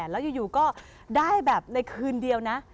แล้วอยู่ก็ได้แบบในคืนเดียวนะ